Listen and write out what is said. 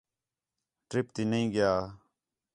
ٹِرپ تی نہیں ڳِیا